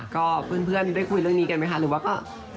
ก็เพื่อนได้คุยเรื่องนี้กันไหมคะหรือว่าก็